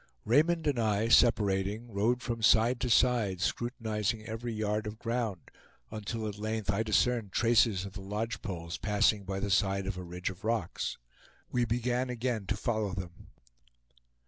Raymond and I separating, rode from side to side, scrutinizing every yard of ground, until at length I discerned traces of the lodge poles passing by the side of a ridge of rocks. We began again to follow them.